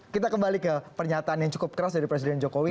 kita kembali ke pernyataan yang cukup keras dari presiden jokowi